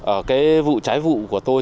ở cái vụ trái vụ của tôi